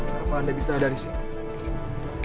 kenapa anda bisa ada disini